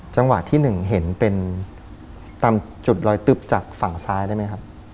จังหวะที่๑เห็นเป็นตามจุดลอยตึ๊บจากฝั่งซ้ายได้ไหมครับ